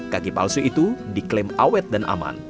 kaki palsu itu diklaim awet dan aman